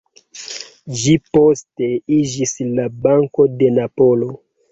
Ĝi poste iĝis la "Banko de Napolo".